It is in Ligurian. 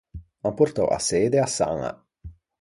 An portou a sede à Saña.